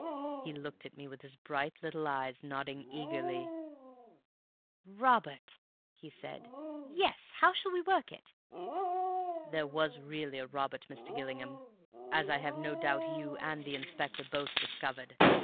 "He looked at me, with his bright little eyes, nodding eagerly. "'Robert,' he said. 'Yes. How shall we work it?' "There was really a Robert, Mr. Gillingham, as I have no doubt you and the Inspector both discovered.